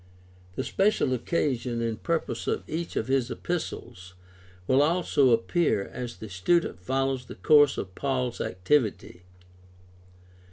The special occasion and purpose of each of his epistles will also appear as the student follows the course of Paul's activity.